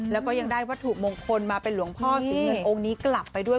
แล้วก็ยังได้วัตถุมงคลมาเป็นหลวงพ่อสีเงินองค์นี้กลับไปด้วย